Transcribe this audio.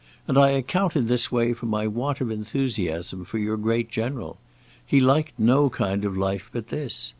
And I account in this way for my want of enthusiasm for your great General. He liked no kind of life but this.